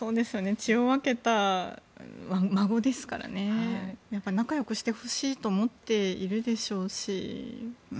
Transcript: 血を分けた孫ですから仲良くしてほしいと思っているでしょうしね。